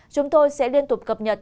chúng tôi sẽ liên tục cập nhật